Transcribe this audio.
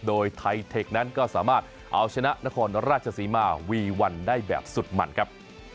โดยไทเทคนั้นก็สามารถเอาชนะนครราชศรีมาวีวันได้แบบสุดมันครับ